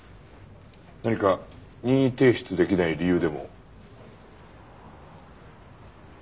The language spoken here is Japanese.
何か任意提出できない理由でも？